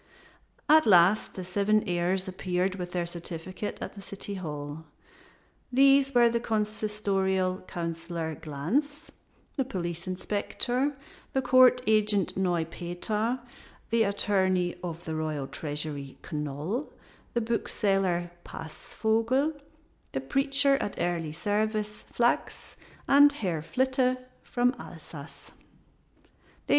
At last the seven heirs appeared with their certificate at the city hall. These were the Consistorial Councilor Glanz, the Police Inspector, the Court Agent Neupeter, the Attorney of the Royal Treasury Knol, the Bookseller Passvogel, the Preacher at Early Service Flachs, and Herr Flitte from Alsace.